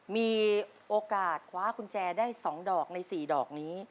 มีโอกาสคว้ากุญแจได้๒ดอกใน๔ดอกนี้